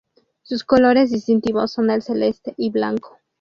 Sus colores distintivos son el celeste y blanco.